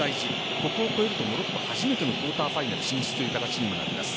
ここを超えるとモロッコ初めてのクォーターファイナル進出という形にもなります。